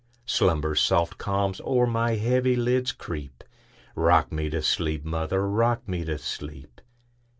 Slumber's soft calms o'er my heavy lids creep;—Rock me to sleep, mother,—rock me to sleep!